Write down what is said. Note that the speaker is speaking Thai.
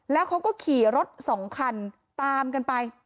แล้วเขาก็ขี่รถสองคันตามกันไป